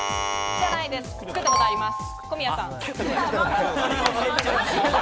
作ったことあります。